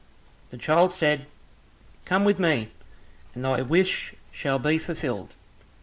The child said, "Come with me, and thy wish shall be fulfilled."